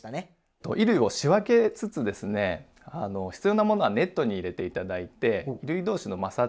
衣類を仕分けつつですね必要なものはネットに入れて頂いて衣類同士の摩擦